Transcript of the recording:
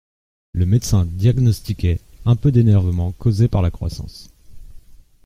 Le médecin diagnostiquait : un peu d'énervement causé par la croissance.